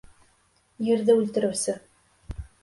Ерҙе үлтереүсе.